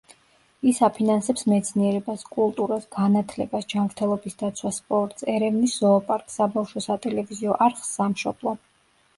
ის აფინანსებს მეცნიერებას, კულტურას, განათლებას, ჯანმრთელობის დაცვას, სპორტს, ერევნის ზოოპარკს, საბავშვო სატელევიზიო არხს „სამშობლო“.